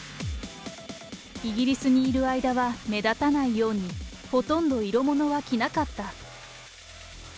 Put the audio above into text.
イギリスにいる間は目立たないように、ほとんど色物は着なかった。